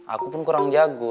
aku pun kurang jago